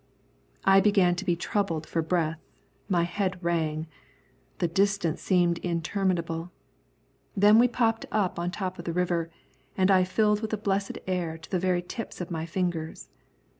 I began to be troubled for breath, my head rang. The distance seemed interminable. Then we popped up on the top of the river, and I filled with the blessed air to the very tips of my fingers.